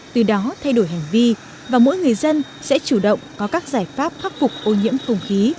từ đó thay đổi hành vi và mỗi người dân sẽ chủ động có các giải pháp khắc phục ô nhiễm không khí